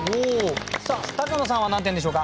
さあ高野さんは何点でしょうか？